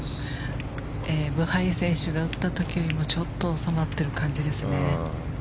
ブハイ選手が打った時よりもちょっと収まってる感じですね。